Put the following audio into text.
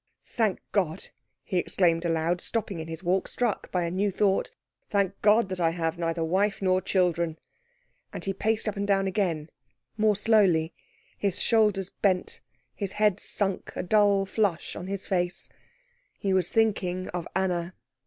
"Thank God," he exclaimed aloud, stopping in his walk, struck by a new thought, "thank God that I have neither wife nor children." And he paced up and down again more slowly, his shoulders bent, his head sunk, a dull flush on his face; he was thinking of Anna.